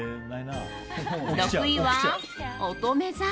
６位は、おとめ座。